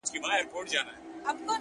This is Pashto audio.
دا لوړ ځل و؛ تر سلامه پوري پاته نه سوم؛